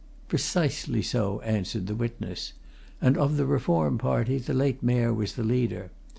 "Precisely so," answered the witness. "And of the Reform party, the late Mayor was the leader.